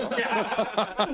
ハハハハ。